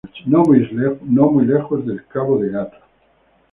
No muy lejos de cabo de Gata.